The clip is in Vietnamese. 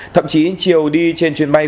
thậm chí chiều đi trên chuyến bay